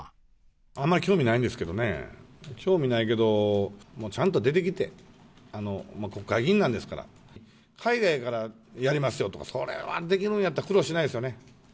あんまり興味ないんですけどね、興味ないけど、ちゃんと出てきて、国会議員なんですから、海外からやりますよとか、それはできるんやったら、苦労しないですよね。